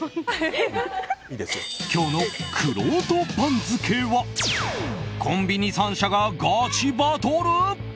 今日のくろうと番付はコンビニ３社がガチバトル！